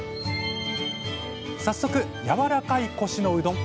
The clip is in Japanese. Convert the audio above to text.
早速やわらかいコシのうどん